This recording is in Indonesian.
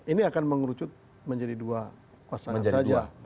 ini akan mengerucut menjadi dua pasangan saja